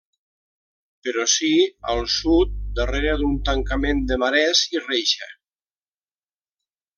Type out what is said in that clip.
Però sí al sud darrere d'un tancament de marès i reixa.